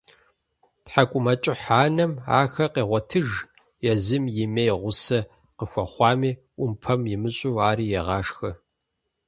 ТхьэкIумэкIыхь анэм ахэр къегъуэтыж, езым имеи гъусэ къахуэхъуами, Iумпэм имыщIу, ари егъашхэ.